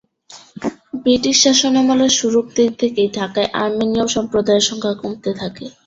British শাসনামলের শুরুর দিক থেকেই ঢাকায় আর্মেনীয় সম্প্রদায়ের সংখ্যা কমতে থাকে।